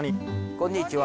こんにちは。